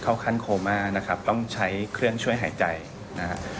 เข้าขั้นโคม่านะครับต้องใช้เครื่องช่วยหายใจนะฮะ